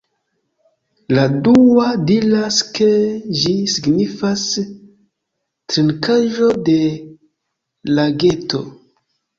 La dua diras ke ĝi signifas "trinkaĵo de lageto".